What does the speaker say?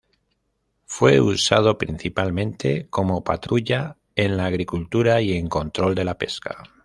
Fue usado principalmente como patrulla, en la agricultura y en control de la pesca.